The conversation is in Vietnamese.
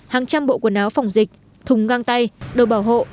hàng trăm bộ quần áo phòng dịch thùng ngang tay đồ bảo hộ